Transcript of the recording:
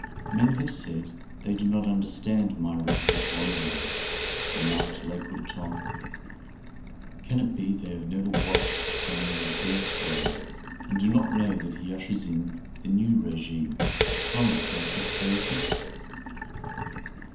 "Men have said they do not understand my restless wanderings," remarked Lakewood Tom. "Can it be they have never watched the coming of the first robin, and do not know that he ushers in the new regime of promise and prosperity?